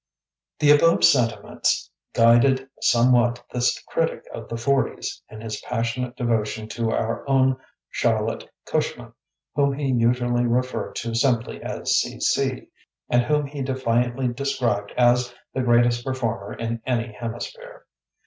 The above sentiments guided some what this critic of the 'forties in his passionate devotion to our own Char lotte Cushman, whom he usually re ferred to simply as G. G. and whom he defiantly described as the greatest per former in any hemisphere.